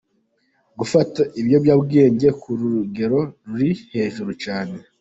Gufata ibiyobyabwenge ku rugero ruri hejuru cyane.